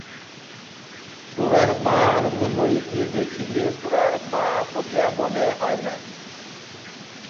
গোরার মা আনন্দময়ীকে দেখিলে গোরার মা বলিয়া মনে হয় না।